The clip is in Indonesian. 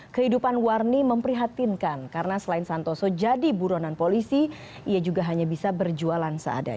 kehidupan warni memprihatinkan karena selain santoso jadi buronan polisi ia juga hanya bisa berjualan seadanya